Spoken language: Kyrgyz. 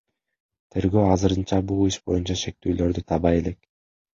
Тергөө азырынча бул иш боюнча шектүүлөрдү таба элек.